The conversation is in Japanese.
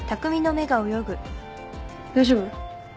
大丈夫？